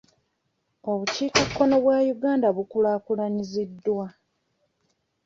Obukiikakkono bwa Uganda bukulaakulanyiziddwa.